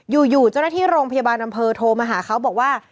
อยู่เจ้าหน้าที่โรงพยาบาลอำเภอโทรมาหาเขาบอกว่า